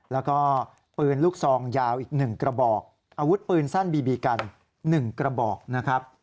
แล้วก็ปืนลูกซองยาวอีก๑กระบอกอาวุธปืนสั้นบีบีกัน๑กระบอกนะครับ